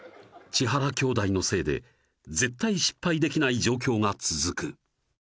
千原兄弟のせいで絶対失敗できない状況が続く